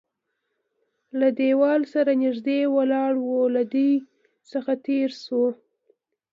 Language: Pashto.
له دېوال سره نږدې ولاړ و، له دوی څخه تېر شوو.